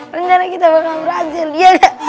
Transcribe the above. rencana kita akan beranjel iya gak